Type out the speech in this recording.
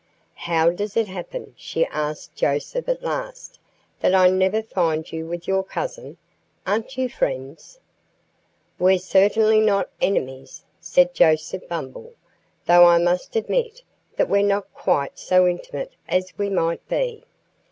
"How does it happen," she asked Joseph at last, "that I never find you with your cousin? Aren't you friends?" "We're certainly not enemies," said Joseph Bumble, "though I must admit that we're not quite so intimate as we might be.